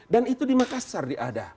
dan itu di makassar di ada